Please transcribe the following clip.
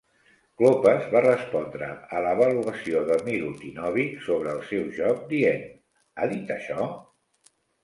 Klopas va respondre a l'avaluació de Milutinovic sobre el seu joc dient "Ha dit això?".